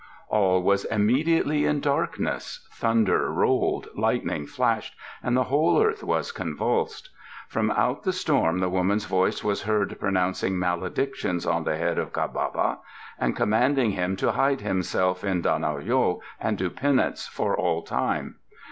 All was immediately in darkness thunder rolled, lightning flashed and the whole earth was convulsed. From out the storm the womanŌĆÖs voice was heard pronouncing maledictions on the head of Ca ba ba and commanding him to hide himself in Dah nol yo, and do penance for all time.